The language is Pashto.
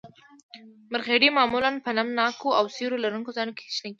مرخیړي معمولاً په نم ناکو او سیوري لرونکو ځایونو کې شنه کیږي